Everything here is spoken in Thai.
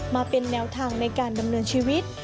มาเป็นแนวทางในการดำเนินชีวิต